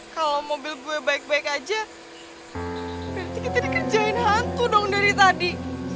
kalau mobil gue baik baik saja berarti kita dikerjakan hantu dari tadi